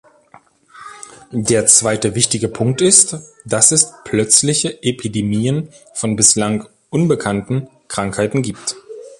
Der zweite wichtige Punkt ist, dass es plötzliche Epidemien von bislang unbekannten Krankheiten gibt.